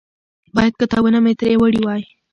باید کتابونه مې ترې وړي وای.